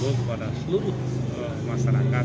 kepada seluruh masyarakat